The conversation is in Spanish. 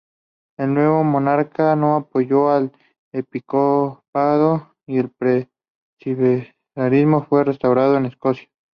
El nuevo monarca no apoyó al episcopado y el presbiterianismo fue restaurado en Escocia.